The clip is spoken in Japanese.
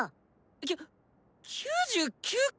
きゅ９９回。